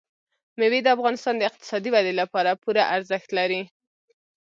مېوې د افغانستان د اقتصادي ودې لپاره پوره ارزښت لري.